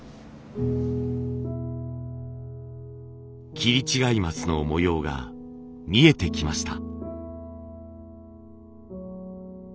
切り違い枡の模様が見えてきました。